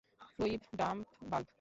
Fluid dump valve.